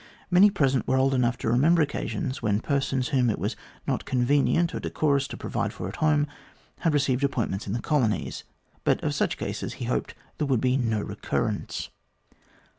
Many present were old enough to remember occasions when persons whom it was not convenient or decorous to provide for at home, had received appointments in the colonies. But of such cases he hoped there would be no recurrence.